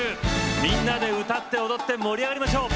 みんなで歌って踊って盛り上がりましょう！